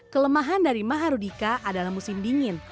kelemahan dari maharudika adalah musim dingin